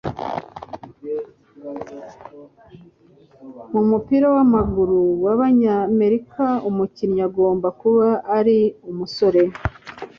Mumupira wamaguru wabanyamerika umukinnyi agomba kuba ari umusore